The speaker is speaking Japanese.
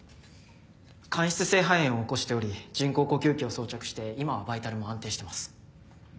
間質性肺炎を起こしており人工呼吸器を装着して今はバイタルも安定してます。